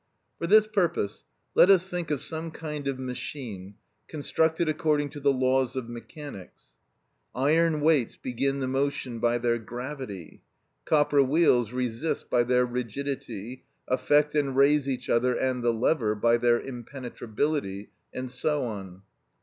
For this purpose let us think of some kind of machine constructed according to the laws of mechanics. Iron weights begin the motion by their gravity; copper wheels resist by their rigidity, affect and raise each other and the lever by their impenetrability, and so on.